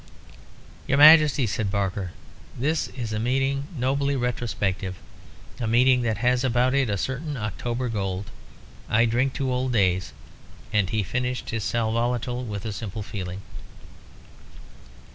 "Your Majesty," said Barker, "this is a meeting nobly retrospective, a meeting that has about it a certain October gold. I drink to old days;" and he finished his sal volatile with simple feeling.